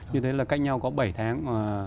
như thế là cách nhau có bảy tháng